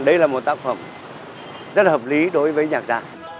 nó là một cái phần rất là hợp lý đối với nhạc gia